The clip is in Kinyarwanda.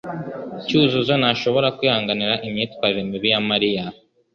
Cyuzuzo ntashobora kwihanganira imyitwarire mibi ya Mariya.